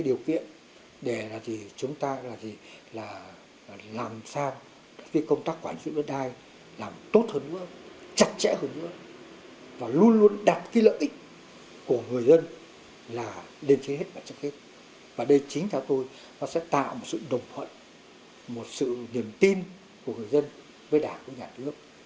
được thực hiện những quyết tâm của chúng ta để phân đấu để xây dựng đất của chúng ta